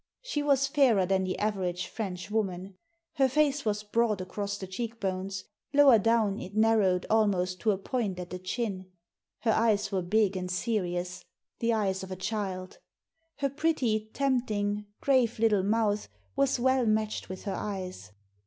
She was fairer than the average French woman. Her face was broad across the cheek bones; lower down it narrowed almost to a point at the chin ; her eyes were big and serious — the eyes of a child ; her pretty, tempting, grave little mouth was well matched with her eyes.